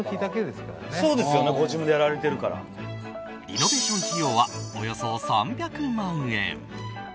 リノベーション費用はおよそ３００万円。